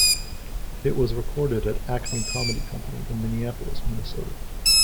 It was recorded at Acme Comedy Company in Minneapolis, Minnesota.